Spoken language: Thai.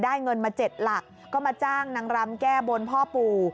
เงินมา๗หลักก็มาจ้างนางรำแก้บนพ่อปู่